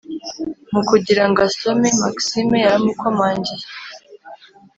mukugira ngasome maxime yaramukomangiye,